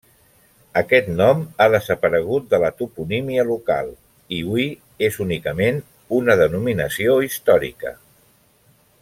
Aquest nom ha desaparegut de la toponímia local, i hui és únicament una denominació històrica.